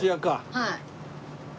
はい。